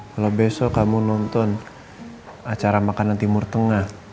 kalau besok kamu nonton acara makanan timur tengah